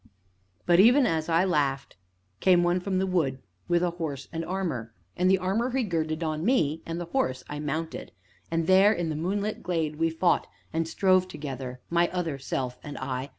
But, even as I laughed, came one from the wood, with a horse and armor. And the armor he girded on me, and the horse I mounted. And there, in the moonlit glade, we fought, and strove together, my Other Self and I.